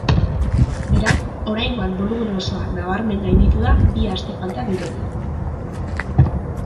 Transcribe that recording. Beraz, oraingoan bolumen osoa nabarmen gainditu da bi aste falta direnean.